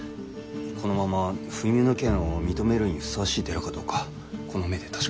このまま不入の権を認めるにふさわしい寺かどうかこの目で確かめる。